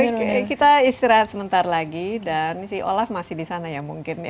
oke kita istirahat sebentar lagi dan si olaf masih di sana ya mungkin ya